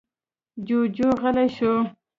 جُوجُو غلی شو.